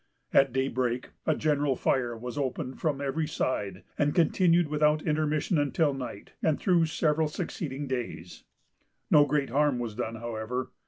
At daybreak, a general fire was opened from every side, and continued without intermission until night, and through several succeeding days. No great harm was done, however.